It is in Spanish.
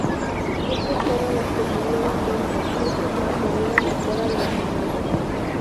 Esos fueron los que murieron dentro, muchos más murieron afuera de las murallas.